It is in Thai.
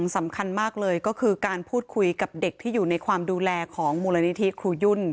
สำคัญมากเลยก็คือการพูดคุยกับเด็กที่อยู่ในความดูแลของมูลนิธิครูยุ่น